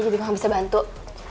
jadi gue indo b banget